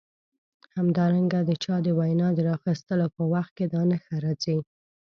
همدارنګه د چا د وینا د راخیستلو په وخت کې دا نښه راځي.